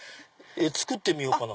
作ってみようかな。